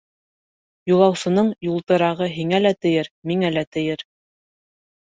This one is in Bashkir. Юлаусының юлтырағы һиңә лә тейер, миңә лә тейер.